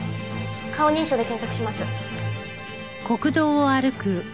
顔認証で検索します。